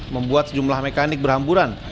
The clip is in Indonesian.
membuat sejumlah mekanik berhamburan